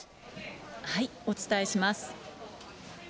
お伝えします。